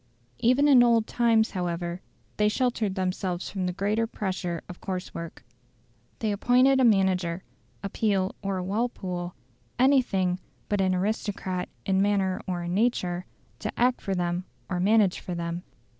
Even in old times, however, they sheltered themselves from the greater pressure of coarse work. They appointed a manager a Peel or a Walpole, anything but an aristocrat in manner or in nature to act for them or manage for them.